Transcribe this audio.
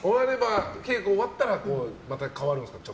稽古が終わったらまた変わるんですか。